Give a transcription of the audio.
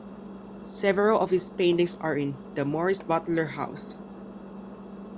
Several of his paintings are in the Morris-Butler House.